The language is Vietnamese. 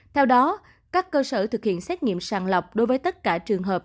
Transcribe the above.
theo đó các cơ sở thực hiện xét nghiệm sàng lọc đối với tất cả trường hợp